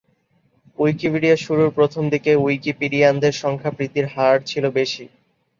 Wikipedia শুরুর প্রথম দিকে উইকিপিডিয়ানদের সংখ্যা বৃদ্ধির হার ছিল বেশি।